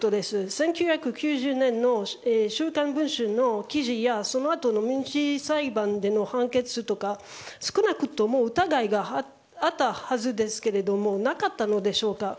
１９９０年の「週刊文春」の記事やそのあとの民事裁判での判決とか少なくとも疑いがあったはずですけれどもなかったのでしょうか？